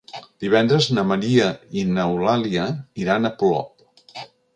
Divendres na Maria i n'Eulàlia iran a Polop.